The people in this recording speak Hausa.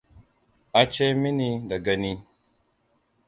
Bace minii da gani.